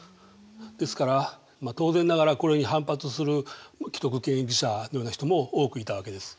ですから当然ながらこれに反発する既得権益者のような人も多くいたわけです。